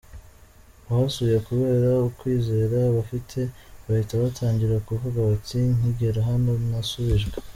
Uhasuye kubera ukwizera aba afite, bahita batangira kuvuga bati ‘Nkigera hano nasubijwe.